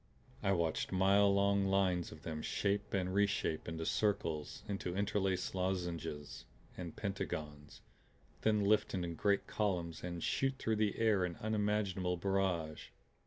I watched mile long lines of them shape and reshape into circles, into interlaced lozenges and pentagons then lift in great columns and shoot through the air in unimaginable barrage.